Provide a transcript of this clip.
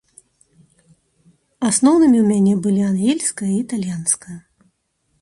Асноўнымі ў мяне былі ангельская і італьянская.